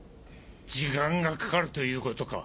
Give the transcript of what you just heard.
時間がかかるということか。